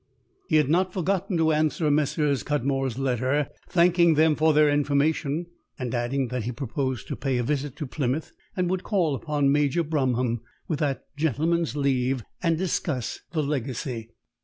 He had not forgotten to answer Messrs. Cudmore's letter, thanking them for their information, and adding that he proposed to pay a visit to Plymouth, and would call upon Major Bromham, with that gentleman's leave, and discuss the legacy.